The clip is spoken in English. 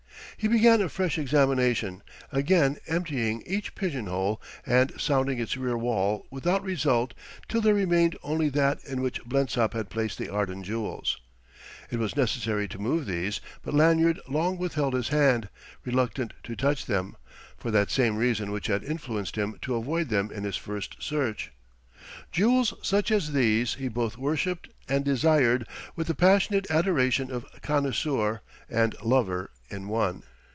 He began a fresh examination, again emptying each pigeonhole and sounding its rear wall without result till there remained only that in which Blensop had placed the Arden jewels. It was necessary to move these, but Lanyard long withheld his hand, reluctant to touch them, for that same reason which had influenced him to avoid them in his first search. Jewels such as these he both worshipped and desired with the passionate adoration of connoisseur and lover in one.